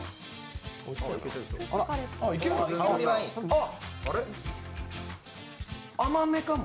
あっ甘めかも。